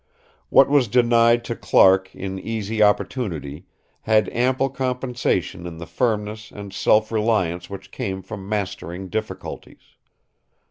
What was denied to Clark in easy opportunity had ample compensation in the firmness and self reliance which came from mastering difficulties.